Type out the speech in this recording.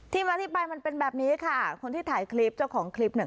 มาที่ไปมันเป็นแบบนี้ค่ะคนที่ถ่ายคลิปเจ้าของคลิปเนี่ย